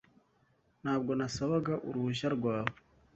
Ntabwo nasabaga uruhushya rwawe .